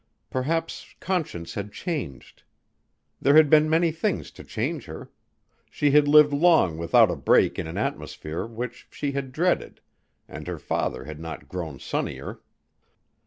Perhaps Conscience had changed. There had been many things to change her. She had lived long without a break in an atmosphere which she had dreaded and her father had not grown sunnier.